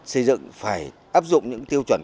xây dựng phải áp dụng những tiêu chuẩn